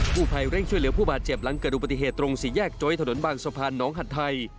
ผู้ภัยเร่งช่วยเหลือผู้บาดเจ็บหลังเกิดอุบัติเหตุตรงสี่แยกโจ๊ยถนนบางสะพานน้องหัดไทย